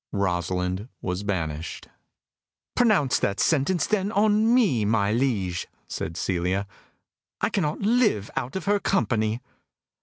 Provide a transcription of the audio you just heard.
Rosalind was banished. "Pronounce that sentence, then, on me, my liege," said Celia. "I cannot live out of her company."